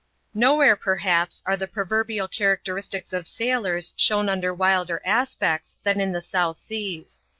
Nowhere, perhaps, are the proverbial characteristics of sailors shown under wilder aspects than in the South Seas.